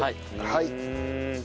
はい。